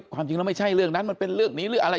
ความจริงแล้วไม่ใช่เรื่องนั้นมันเป็นเรื่องนี้หรืออะไร